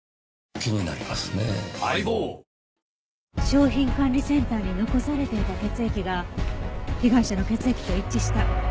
商品管理センターに残されていた血液が被害者の血液と一致した。